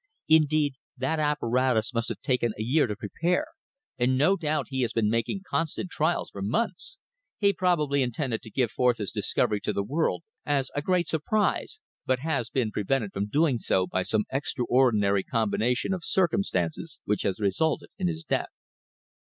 Indeed, that apparatus must have taken a year to prepare, and no doubt he has been making constant trials for months. He probably intended to give forth his discovery to the world as a great surprise, but has been prevented from doing so by some extraordinary combination of circumstances which has resulted in his death."